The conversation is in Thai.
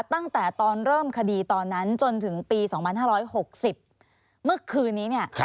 ตั้งแต่ตอนเริ่มคดีตอนนั้นจนถึงปี๒๕๖๐เมื่อคืนนี้เนี่ย